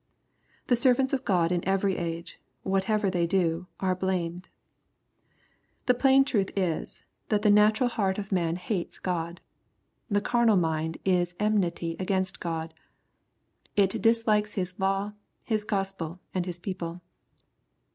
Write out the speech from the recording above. The servants of Gk)d in every age, whatever they do, are blamed. The plain truth is^ that the natural heart of man hates 230 EXPOSITOBT THOUGHTS. God. The carnal mind is enmity against God. It dis likes His law, His Gospel, and Hi^ people.